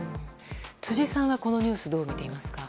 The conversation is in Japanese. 辻さんはこのニュースどう見ていますか。